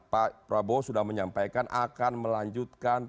pak prabowo sudah menyampaikan akan melanjutkan